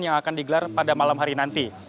yang akan digelar pada malam hari nanti